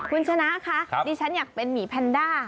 คุณชนะคะดิฉันอยากเป็นหมีแพนด้า